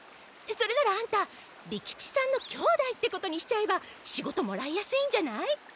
それならアンタ利吉さんの兄弟ってことにしちゃえば仕事もらいやすいんじゃない？